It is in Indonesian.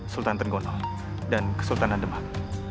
sultan tenggono dan kesultanan demak